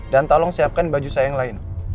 dan tolong siapkan baju saya yang lain